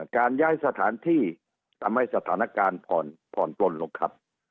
การย้ายสถานที่ทำให้สถานการณ์ผ่อนปลนลงครับ